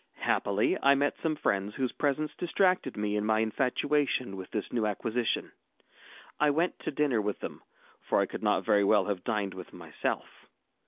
Happily I met some friends, whose presence distracted me in my infatuation with this new acquisition. I went to dinner with them, for I could not very well have dined with myself.